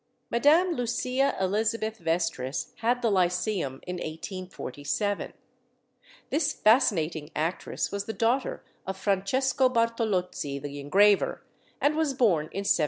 Madame Lucia Elizabeth Vestris had the Lyceum in 1847. This fascinating actress was the daughter of Francesco Bartolozzi, the engraver, and was born in 1797.